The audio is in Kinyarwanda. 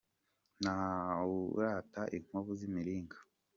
Ntawurata inkovu z'imiringa.